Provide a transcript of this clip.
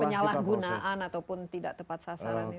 penyalahgunaan ataupun tidak tepat sasaran ini